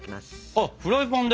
あフライパンで？